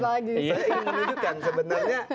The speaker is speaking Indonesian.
saya ingin menunjukkan sebenarnya